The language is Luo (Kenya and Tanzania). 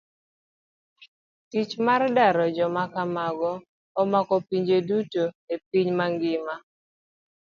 Tich mar daro joma kamago omako pinje duto e piny mang'ima.